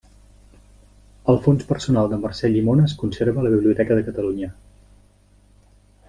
El Fons personal de Mercè Llimona es conserva a la Biblioteca de Catalunya.